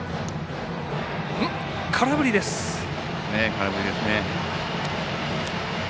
空振りです。